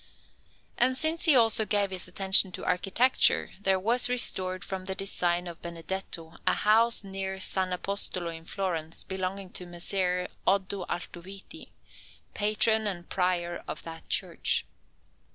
And since he also gave his attention to architecture, there was restored from the design of Benedetto a house near S. Apostolo in Florence, belonging to Messer Oddo Altoviti, Patron and Prior of that church.